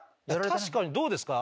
確かにどうですか？